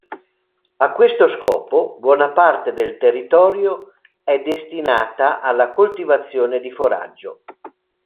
A questo scopo, buona parte del territorio è destinata alla coltivazione di foraggio.